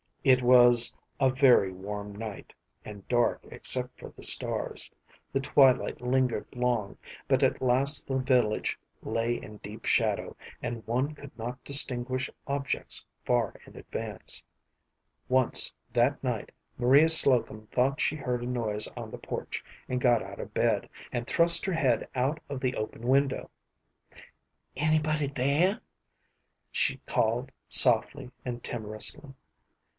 It was a very warm night, and dark except for the stars. The twilight lingered long, but at last the village lay in deep shadow, and one could not distinguish objects far in advance. Once that night Maria Slocum thought she heard a noise on the porch, and got out of bed, and thrust her head out of the open window. "Anybody there?" she called, softly and timorously.